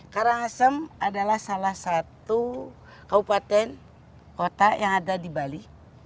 karangasem adalah salah satu kabupaten kota yang ada di bali